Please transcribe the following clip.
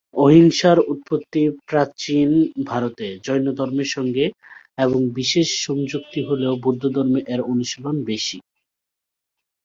অহিংসার উৎপত্তি প্রাচীন ভারতে; জৈনধর্মের সঙ্গে এর বিশেষ সংযুক্তি হলেও বৌদ্ধধর্মে এর অনুশীলন বেশি।